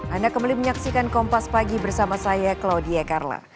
anda kembali menyaksikan kompas pagi bersama saya claudia karla